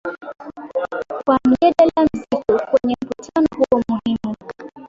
kwa mjadala mzito kwenye mkutano huo muhimu